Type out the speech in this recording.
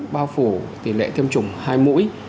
bao phủ tỷ lệ tiêm chủng hai mũi